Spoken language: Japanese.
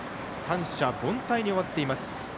三者凡退に終わっています。